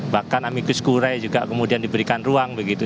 bahkan amicus kurai juga kemudian diberikan ruang begitu